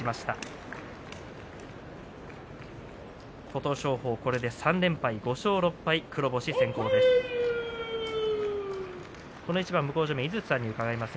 琴勝峰これで３連敗５勝６敗、黒星先行です。